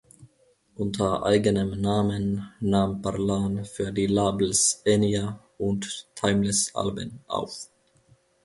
Unter eigenem Namen nahm Parlan für die Labels Enja und Timeless Alben auf.